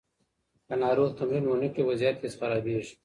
که ناروغ تمرین ونه کړي، وضعیت یې خرابیږي.